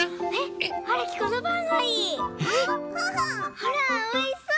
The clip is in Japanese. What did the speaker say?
ほらおいしそう！